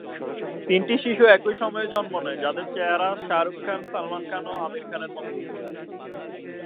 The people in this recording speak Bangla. তিনটি শিশু একই সময়ে জন্ম নেয়, যাদের চেহারা শাহরুখ খান, সালমান খান ও আমির খানের মত।